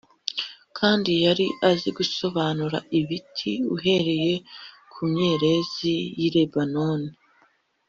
kandi yari azi gusobanura ibiti uhereye ku myerezi y’i Lebanoni